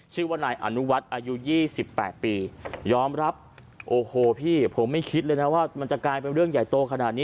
ชื่อว่านายอนุวัฒน์อายุ๒๘ปียอมรับโอ้โหพี่ผมไม่คิดเลยนะว่ามันจะกลายเป็นเรื่องใหญ่โตขนาดนี้